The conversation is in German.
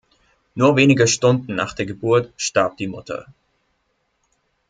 Nur wenige Stunden nach der Geburt starb die Mutter.